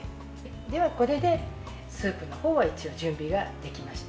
では、これでスープのほうは一応準備ができました。